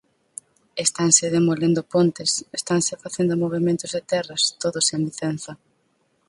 Estanse demolendo pontes, estanse facendo movementos de terras, todo sen licenza.